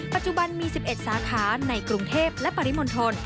ปัจจุบันมี๑๑สาขาในกรุงเทพและปริมณฑล